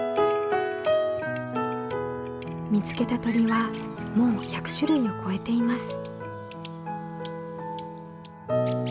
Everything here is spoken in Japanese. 見つけた鳥はもう１００種類を超えています。